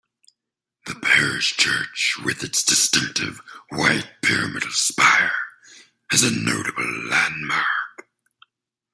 The Parish church, with its distinctive white pyramidal spire, is a notable landmark.